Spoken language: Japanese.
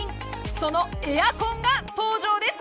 そのエアコンが登場です。